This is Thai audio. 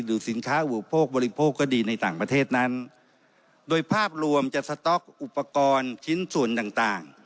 สินค้าอุปโภคบริโภคก็ดีในต่างประเทศนั้นโดยภาพรวมจะสต๊อกอุปกรณ์ชิ้นส่วนต่างต่าง